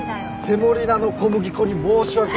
セモリナの小麦粉に申し訳ないよ。